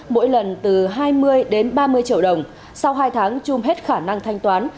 mỗi lần từ hai mươi đến ba mươi triệu đồng sau hai tháng chung hết khả năng thanh toán